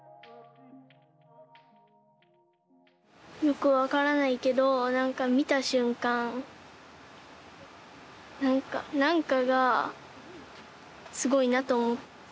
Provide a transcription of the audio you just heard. よく分からないけどなんか見た瞬間なんかなんかがすごいなと。